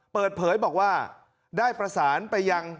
เปิดเผยบอกว่าได้ประสานไปยัง